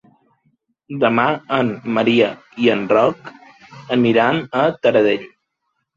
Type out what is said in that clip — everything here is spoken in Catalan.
Demà en Maria i en Roc aniran a Taradell.